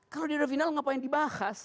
kalau dia udah final ngapain dibahas